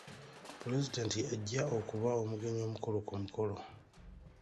Pulezidenti y'ajja okuba omugenyi omukulu ku mukolo.